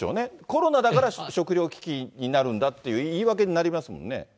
コロナだから食料危機になるんだっていう言い訳になりますよね。